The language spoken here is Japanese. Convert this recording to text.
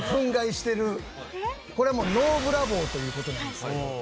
これはもうＮｏブラボーという事なんですけど。